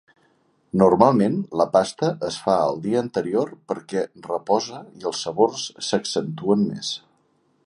Normalment la pasta es fa el dia anterior perquè repose i els sabors s'accentuen més.